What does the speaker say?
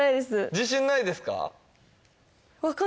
自信ないですか